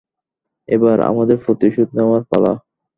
এবার আমাদের প্রতিশোধ নেওয়ার পালা।